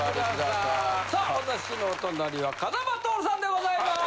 さあ私のお隣は風間トオルさんでございます。